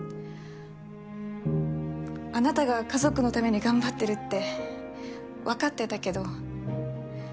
あなたが家族のために頑張ってるってわかってたけど。